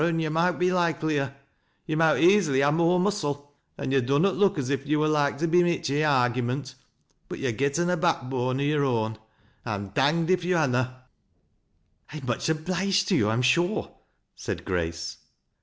be handsomer, an' yo' mowt be likelier, — ^yo' mowt easilj ha' more muscle, an' yo' dunnot look as if yo' war like tc be mi'ch i' argyment ; but yo're getten a backbone o' yore own, — I'm danged if yo' ha' na." " I'm much obliged to you, I am sure," said Grace.